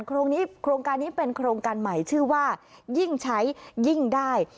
โครงการนี้เป็นโครงการใหม่ชื่อว่ายิ่งใช้ยิ่งได้